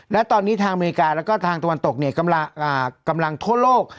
และตอนนี้ทางอเมริกาแล้วก็ทางตะวันตกเนี่ยกำลังทั่วโลก